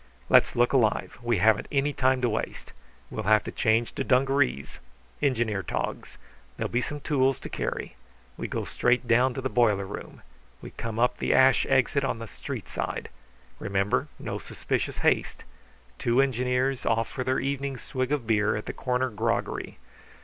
"Let's look alive! We haven't any time to waste. We'll have to change to dungarees engineer togs. There'll be some tools to carry. We go straight down to the boiler room. We come up the ash exit on the street side. Remember, no suspicious haste. Two engineers off for their evening swig of beer at the corner groggery.